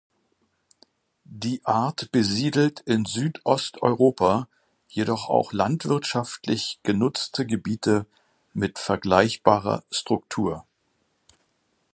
Die Art besiedelt in Südosteuropa jedoch auch landwirtschaftlich genutzte Gebiete mit vergleichbarer Struktur.